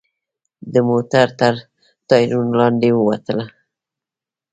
د موټر تر ټایرونو لاندې ووتله.